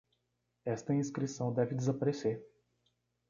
Esta inscrição deve desaparecer!